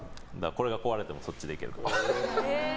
これが壊れてもそっちでいけると思います。